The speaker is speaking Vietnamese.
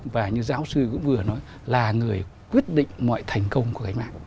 và như giáo sư cũng vừa nói là người quyết định mọi thành công của cách mạng